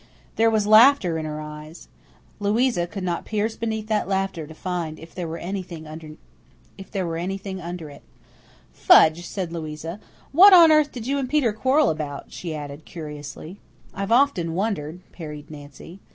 There was laughter in her eyes. Louisa could not pierce beneath that laughter to find if there were anything under it. "Fudge!" said Louisa. "What on earth did you and Peter quarrel about?" she added, curiously. "I've often wondered," parried Nancy.